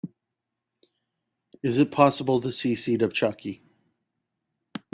Is it possible to see Seed of Chucky